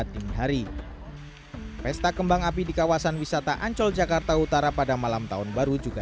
dini hari pesta kembang api di kawasan wisata ancol jakarta utara pada malam tahun baru juga